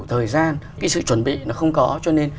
thời gian cái sự chuẩn bị nó không có cho nên